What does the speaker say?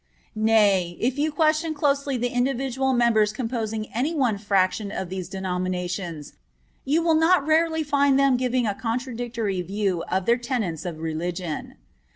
Nay, if you question closely the individual members composing any one fraction of these denominations, you will not rarely find them giving a contradictory view of their tenets of religion.